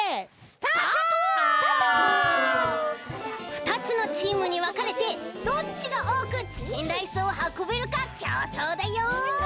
２つのチームにわかれてどっちがおおくチキンライスをはこべるかきょうそうだよ！